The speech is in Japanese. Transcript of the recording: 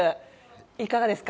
いかがですか？